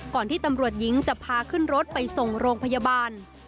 ที่ตำรวจหญิงจะพาขึ้นรถไปส่งโรงพยาบาล